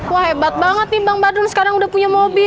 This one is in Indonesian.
wah hebat banget nih bang badrun sekarang udah punya mobil